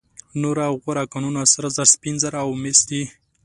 نور غوره کانونه سره زر، سپین زر او مس دي.